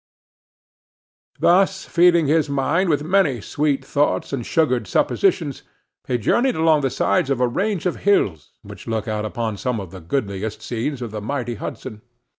Thus feeding his mind with many sweet thoughts and "sugared suppositions," he journeyed along the sides of a range of hills which look out upon some of the goodliest scenes of the mighty Hudson.